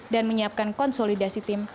dan menyiapkan konsolidasi tim